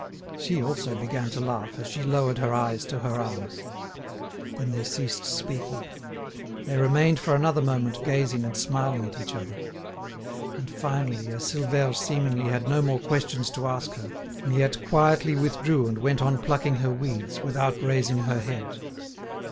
She also began to laugh, as she lowered her eyes to her arms. Then they ceased speaking. They remained for another moment gazing and smiling at each other. And finally, as Silvère seemingly had no more questions to ask her, Miette quietly withdrew and went on plucking her weeds, without raising her head.